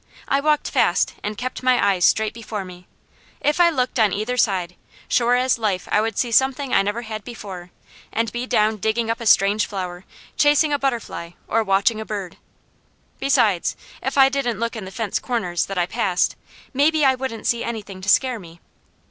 I walked fast and kept my eyes straight before me. If I looked on either side, sure as life I would see something I never had before, and be down digging up a strange flower, chasing a butterfly, or watching a bird. Besides, if I didn't look in the fence corners that I passed, maybe I wouldn't see anything to scare me.